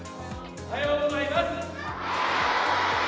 おはようございます！